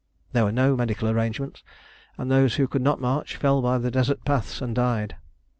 There were no medical arrangements, and those who could not march fell by the desert paths and died.